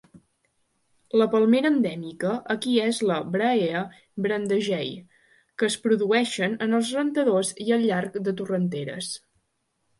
La palmera endèmica aquí és la "Brahea brandegeei" que es produeixen en els rentadors i al llarg de torrenteres.